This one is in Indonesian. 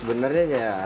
sebenarnya ini benarnya